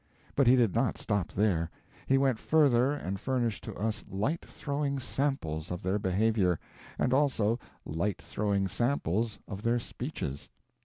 But he did not stop there; he went further and furnished to us light throwing samples of their behavior, and also light throwing samples of their speeches.